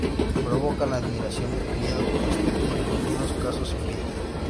Provocan admiración, miedo, respeto y en algunos casos envidia.